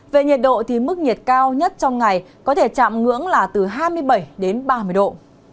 về nhiệt độ thì mức nhiệt cao nhất trong ngày có thể chạm ngưỡng là từ hai mươi bảy đến ba mươi độ